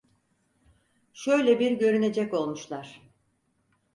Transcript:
Şöyle bir görünecek olmuşlar.